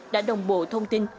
đã đồng bộ thông tin